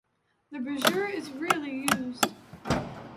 The brisure was rarely used.